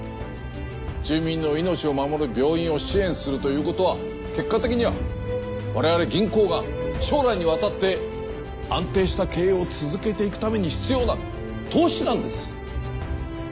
住民の命を守る病院を支援するということは結果的には我々銀行が将来にわたって安定した経営を続けていくために必要な投資なんです。